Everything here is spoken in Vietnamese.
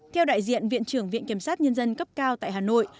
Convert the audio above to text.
theo đại diện viện trưởng viện kiểm sát nhân dân cấp cao tại hà nội